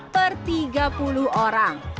per tiga puluh orang